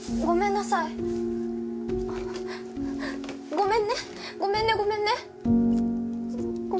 ごめんねごめんねごめんね。